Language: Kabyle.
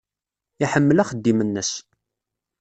Iḥemmel axeddim-nnes.